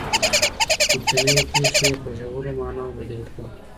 کوچنۍ پېښې یې په ژورو معناوو بدلې کړې.